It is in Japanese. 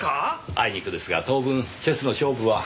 あいにくですが当分チェスの勝負は。